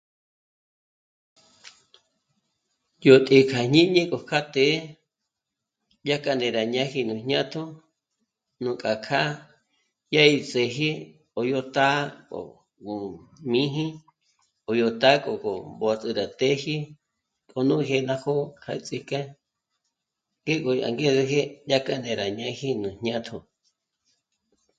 Yó tǐ'i kja jñíñi gó kja të́'ë dyájka né'e rá ñáji jñátjo, nújkja kjâ'a dyá 'ìs'ëji k'o yó tá'a o jmī̂jī k'o yó tá'a k'o yó mbó'tjü rá téji k'o nú jí'i ná jó'o kja ts'íjk'e ngéko yó angezeje dyájka né'e rá ñáji nú jñátjo